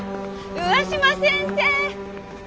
上嶋先生